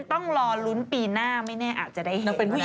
ต้องรอรุ้นปีหน้ามะเนี่ยอาจจะได้เห็นก็ได้